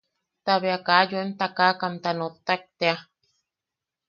Ta bea kaa yoem takakamta nottak tea.